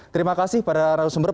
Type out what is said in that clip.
terima kasih pada rauh sumbungu